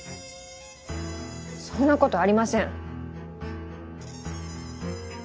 そんなことありません。